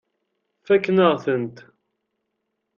Fakken-aɣ-tent.